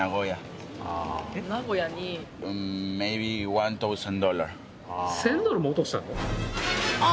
１，０００ドルも落としたの？